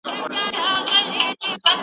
تاسي باید د خپل کلتور استازي اوسئ.